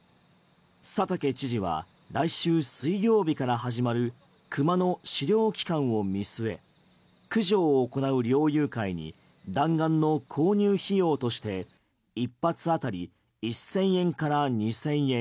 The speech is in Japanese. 佐竹知事は来週水曜日から始まる熊の狩猟期間を見据え苦情を行う猟友会に弾丸の購入費用として一発あたり１０００円から２０００円